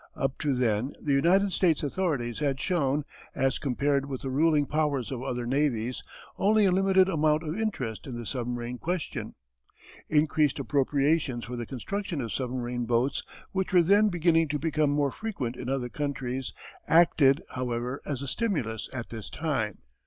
Up to then the United States authorities had shown, as compared with the ruling powers of other navies, only a limited amount of interest in the submarine question. Increased appropriations for the construction of submarine boats which were then beginning to become more frequent in other countries acted, however, as a stimulus at this time.